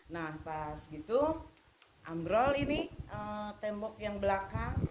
nah pas gitu ambrol ini tembok yang belakang